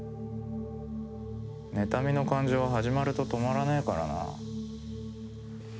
ねたみの感情は始まると止まらねえからな。